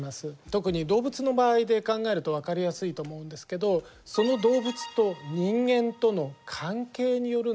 特に動物の場合で考えると分かりやすいと思うんですけどその動物と人間との関係によるんですね。